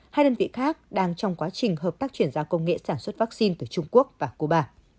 hai đơn vị khác đang trong quá trình hợp tác chuyển giao công nghệ sản xuất vaccine từ trung quốc và cuba